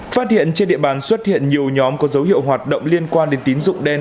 phát hiện trên địa bàn xuất hiện nhiều nhóm có dấu hiệu hoạt động liên quan đến tín dụng đen